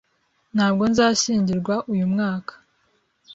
Ntabwo nzashyingirwa uyu mwaka.